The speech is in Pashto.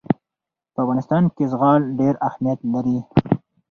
په افغانستان کې زغال ډېر اهمیت لري.